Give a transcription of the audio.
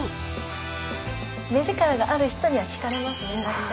目力がある人には惹かれますね。